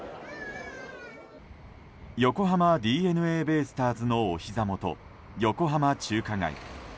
横浜ＤｅＮＡベイスターズのお膝元・横浜中華街。